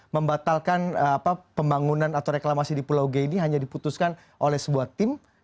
membatalkan pembangunan atau reklamasi di pulau g ini hanya diputuskan oleh sebuah tim